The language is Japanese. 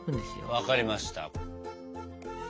分かりました。